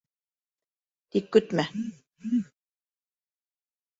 Тик көтмә.